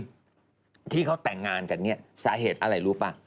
อัธิบาทที่เขาแต่งงานกันสาเหตุอะไรรู้ป่ะ